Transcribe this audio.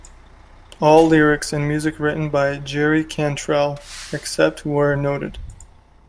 All lyrics and music written by Jerry Cantrell, except where noted.